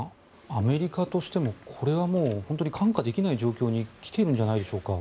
アメリカとしても、これはもう本当に看過できない状況に来ているんでしょうか。